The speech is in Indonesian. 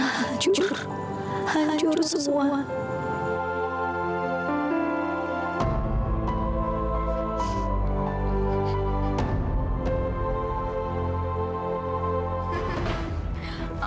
hancur hancur semua